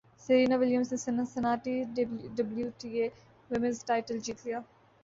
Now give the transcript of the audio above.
Serena Williams نے Cincinnati W T A women's title جیت لیا